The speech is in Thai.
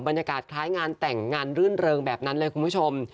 บรรยากาศคล้ายงานแต่งงานรื่นเริงแบบนั้นเลยคุณผู้ชม